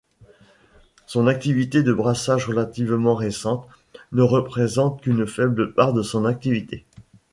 Son activité de brassage, relativement récente, ne représente qu'une faible part de son activité.